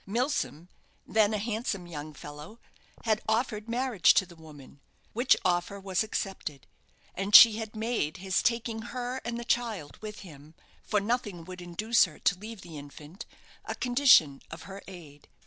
Milsom, then a handsome young fellow, had offered marriage to the woman, which offer was accepted; and she had made his taking her and the child with him for nothing would induce her to leave the infant a condition of her aid.